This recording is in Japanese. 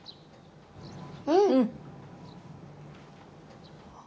うん。